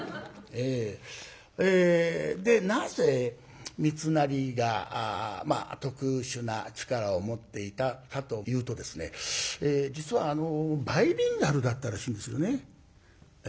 でなぜみつなりが特殊な力を持っていたかというとですね実はバイリンガルだったらしいんですよね。